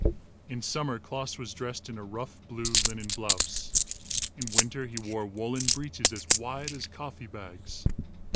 In summer Klaas was dressed in a rough, blue linen blouse. In winter he wore woollen breeches as wide as coffee bags.